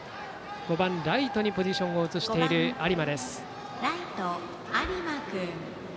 ５番ライトにポジションを移している有馬です。